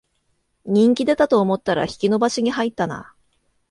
人気出たと思ったら引き延ばしに入ったな